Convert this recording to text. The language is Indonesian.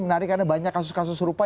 menarik karena banyak kasus kasus serupa